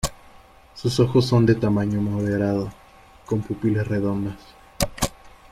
Sus ojos son de tamaño moderado, con pupilas redondas.